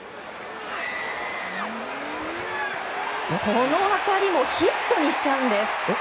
この当たりもヒットにしちゃうんです。